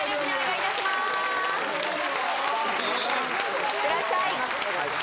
いってらっしゃい